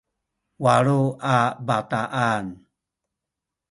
walu a bataan